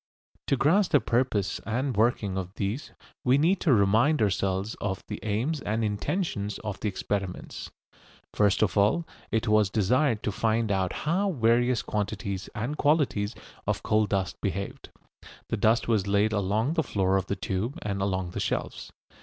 To grasp the purpose and working of these we need to remind ourselves of the aims and intentions of the experiments. First of all it was desired to find out how various quantities and qualities of coal dust behaved. The dust was laid along the floor of the tube and along the shelves.